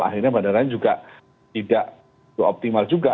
akhirnya bandaranya juga tidak optimal juga